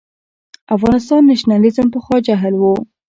افغان نېشنلېزم پخوا جهل و.